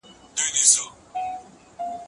کارپوهان به د وګړو غوښتنو ته غوږ نیسي.